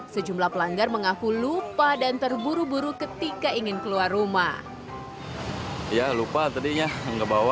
sejumlah pelanggar mengaku lupa dan terburu buru ketika ingin keluar rumah